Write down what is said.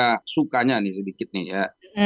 saya sukanya nih sedikit nih ya